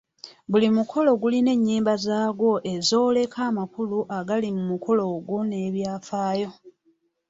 Buli mukolo gulina ennyimba zaagwo ezooleka amakulu agali mu mukolo ogwo n’ebyafaayo.